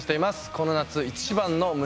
この夏一番の胸